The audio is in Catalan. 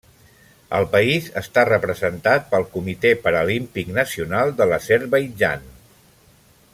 El país està representat pel Comitè Paralímpic Nacional de l'Azerbaidjan.